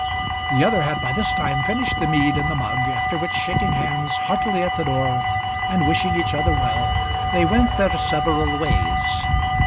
The other had by this time finished the mead in the mug, after which, shaking hands at the door and wishing each other well, they went their several ways.